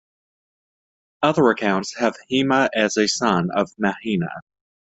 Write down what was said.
Other accounts have Hema as a son of Mahina.